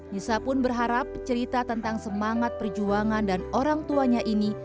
nisa pun berharap cerita tentang semangat perjuangan dan orang tuanya ini